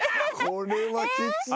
これはきついわ。